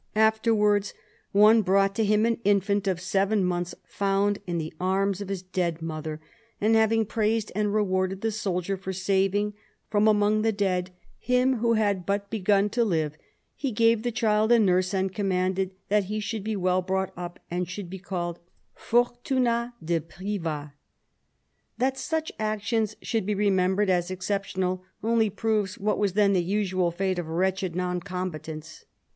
Afterwards one brought to him an infant of seven months, found in the arms of his dead mother ; and having praised and rewarded the soldier for saving from among the dead him who had but begun to live, he gave the child a nurse, and commanded that he should be well brought up and should be called Fortunat de Privas. ..." That such actions should be remembered as exceptional, only proves what was then the usual fate of wretched non combatants.